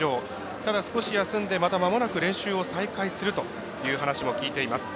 ただ、少し休んでまもなく練習を再開するという話も聞いています。